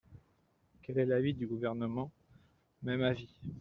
Quel est l’avis du Gouvernement ? Même avis.